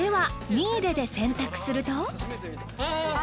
ミーレで洗濯すると。